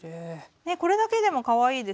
これだけでもかわいいですよね。